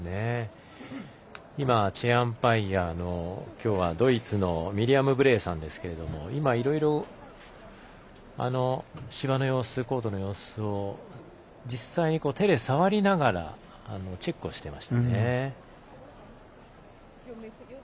チェアアンパイアきょうは、ドイツのミリアム・ブレイさんですが芝の様子、コートの様子を実際に手で触りながらチェックをしていましたね。